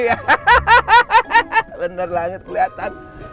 hahaha bener langit keliatan